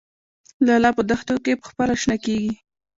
لاله په دښتو کې پخپله شنه کیږي